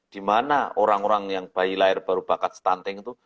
dimana orang orang yang bayi lahir baru bakat stunting itu